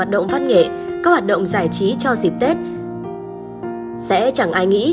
các phạm nhân đang trả án